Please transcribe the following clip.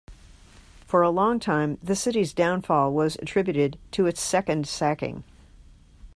For a long time, the city's downfall was attributed to its second sacking.